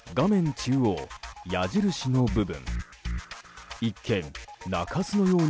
中央、矢印の部分。